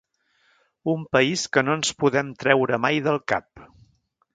Un país que no ens podem treure mai del cap!